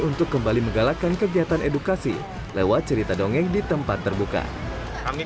untuk kembali menggalakkan kegiatan edukasi lewat cerita dongeng di tempat terbuka kami